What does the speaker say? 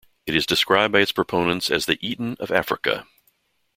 It is described by its proponents as "The Eton of Africa".